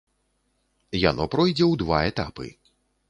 Яно пройдзе ў два этапы.